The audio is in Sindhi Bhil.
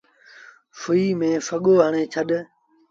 سُئيٚ ميݩ سڳو هڻي ڇڏ۔